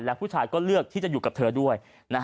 และผู้ชายก็เลือกที่จะอยู่กับเธอด้วย